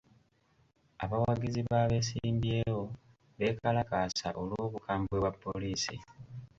Abawagizi b'abeesimbyewo beekalakaasa olw'obukambwe bwa poliisi.